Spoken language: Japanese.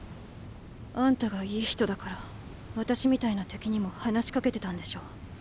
あんたが良い人だから私みたいな敵にも話しかけてたんでしょ？